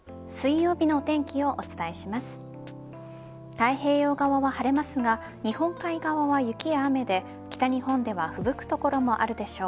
太平洋側は晴れますが日本海側は雪や雨で北日本ではふぶく所もあるでしょう。